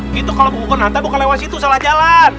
eh itu kalau mengukur nanta bukan lewat situ salah jalan